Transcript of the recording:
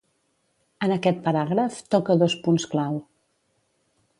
En aquest paràgraf toca dos punts clau.